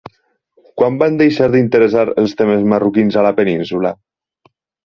Quan van deixar d'interessar els temes marroquins a la península?